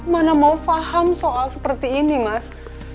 mana mau faham soal seperti ini mas